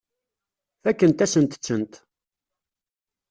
Fakkent-asent-tent.